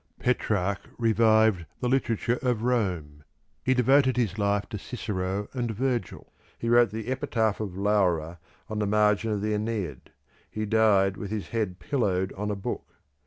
Petrarch revived the literature of Rome he devoted his life to Cicero and Virgil; he wrote the epitaph of Laura on the margin of the Aeneid; he died with his head pillowed on a book.